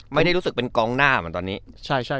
ไม่รู้สึกเป็นกองหน้าเหมือนตอนนี้